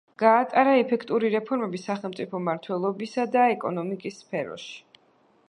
გაატარა ეფექტური რეფორმები სახელმწიფო მმართველობისა და ეკონომიკის სფეროში.